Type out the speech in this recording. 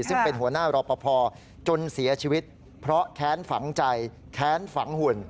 ซึ่งเป็นหัวหน้ารอปภจนเสียชีวิตเพราะแค้นฝังใจแค้นฝังหุ่น